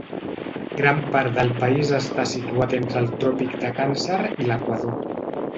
Gran part del país està situat entre el tròpic de Càncer i l'equador.